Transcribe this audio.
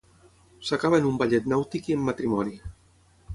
S'acaba en un ballet nàutic i en matrimoni.